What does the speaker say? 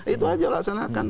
itu saja laksanakan